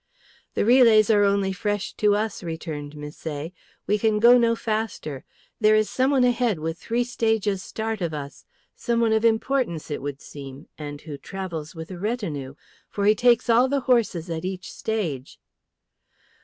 "The relays are only fresh to us," returned Misset. "We can go no faster. There is someone ahead with three stages' start of us, someone of importance, it would seem, and who travels with a retinue, for he takes all the horses at each stage."